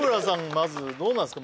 まずどうなんすか？